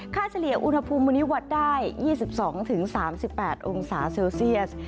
ค่าเฉลี่ยอุณหภูมิวัดได้๒๒๓๘องศาเซลเซียส